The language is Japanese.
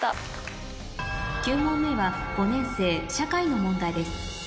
９問目は５年生社会の問題です